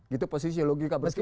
gitu posisi logika berarti